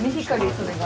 それが。